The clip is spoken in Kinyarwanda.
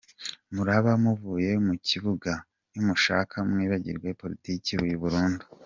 Muraba muvuye mu kibuga, nimushaka mwibagirwe politiki burundu.